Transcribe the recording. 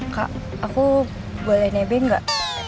kak aku boleh nebeng gak